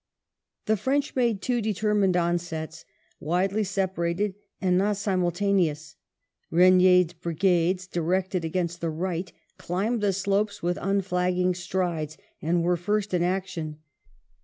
The French made two de termined onsets, widely separated and not simultaneous. Eegnier's brigades, directed against the right, climbed the slopes with unflagging strides, and were first in action.